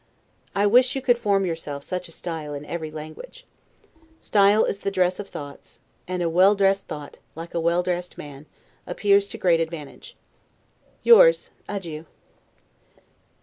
I wish you could form yourself such a style in every language. Style is the dress of thoughts; and a well dressed thought, like a well dressed man, appears to great advantage. Yours. Adieu.